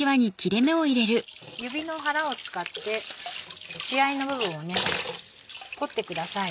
指の腹を使って血合いの部分をほってください。